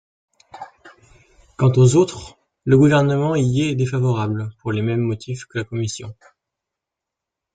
Quant aux autres, le Gouvernement y est défavorable pour les mêmes motifs que la commission.